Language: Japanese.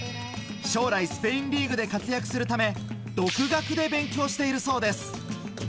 将来、スペインリーグで活躍するため独学で勉強しているそうです。